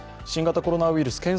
新型コロナウイルス